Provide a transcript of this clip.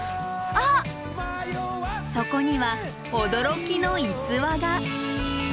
そこには驚きの逸話が！